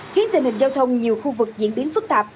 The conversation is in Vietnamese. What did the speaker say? khiến tình hình giao thông nhiều khu vực diễn biến phức tạp